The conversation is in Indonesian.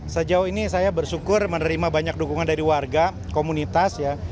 sejauh ini saya bersyukur menerima banyak dukungan dari warga komunitas ya